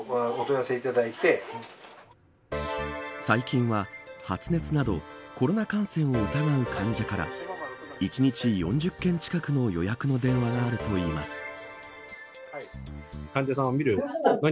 最近は、発熱などコロナ感染を疑う患者から１日４０件近くの予約の電話があるといいます。